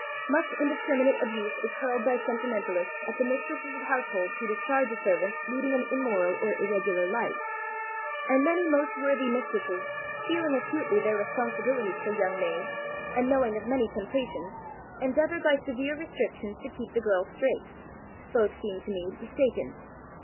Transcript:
Much indiscriminate abuse is hurled by sentimentalists at the mistresses of households who discharge a servant leading an immoral or irregular life, and many most worthy mistresses, feeling acutely their responsibilities for young maids, and knowing of many temptations, endeavour, by severe restrictions, to keep the girls straight. Both seem to me mistaken.